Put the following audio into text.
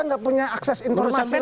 tidak punya akses informasi lain